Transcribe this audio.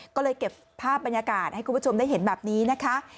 ก็เลยเก็บภาพบรรยากาศให้คุณผู้ชมได้เห็นแบบนี้นะคะ